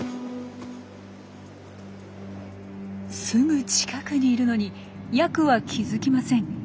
すぐ近くにいるのにヤクは気付きません。